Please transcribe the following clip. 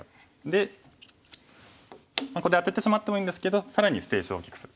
でここでアテてしまってもいいんですけど更に捨て石を大きくする。